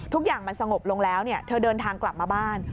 ทุกอย่างมันสงบลงแล้วเธอเดินทางกลับมาบ้าน